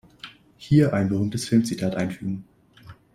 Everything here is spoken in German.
Hier ein berühmtes Filmzitat einfügen.